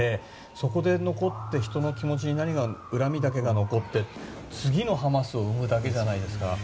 そこで人の気持ちに恨みだけが残って次のハマスを生むだけじゃないですか。